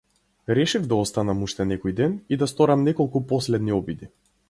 Решив да останам уште некој ден и да сторам неколку последни обиди.